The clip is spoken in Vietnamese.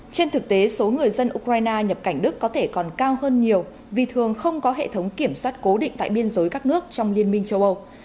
trên thực tế số người dân ukraine nhập cảnh đức có thể còn cao hơn nhiều vì thường không có hệ thống kiểm soát cố định tại biên giới các nước trong liên minh châu âu